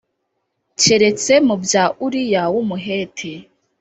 keretse mu bya Uriya w’Umuheti